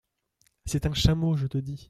C’est un chameau, je te dis !